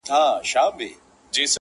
د مرګي لښکري بند پر بند ماتیږي!